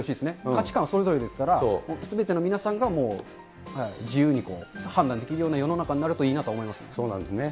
価値観はそれぞれですから、すべての皆さんがもう自由に判断できるような世の中になるといいそうなんですね。